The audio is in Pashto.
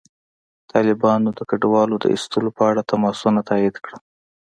طالبانو د کډوالو د ایستلو په اړه تماسونه تایید کړل.